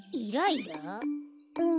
うん。